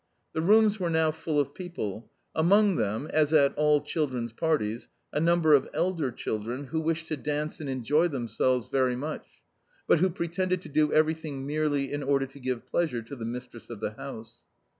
The rooms were now full of people among them (as at all children's parties) a number of elder children who wished to dance and enjoy themselves very much, but who pretended to do everything merely in order to give pleasure to the mistress of the house.